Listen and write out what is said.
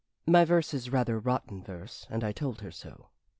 My verse is rather rotten verse, and I told her so.